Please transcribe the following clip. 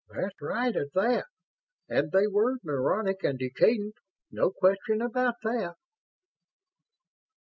"That's right, at that. And they were neurotic and decadent. No question about that."